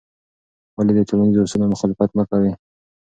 ولې د ټولنیزو اصولو مخالفت مه کوې؟